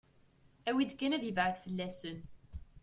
Awi-d kan ad ibɛed fell-asen.